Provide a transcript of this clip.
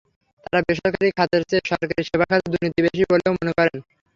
তাঁরা বেসরকারি খাতের চেয়ে সরকারি সেবা খাতে দুর্নীতি বেশি বলেও মনে করেন।